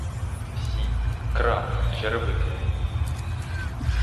Всі — крам, черевики!